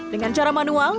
dengan cara manual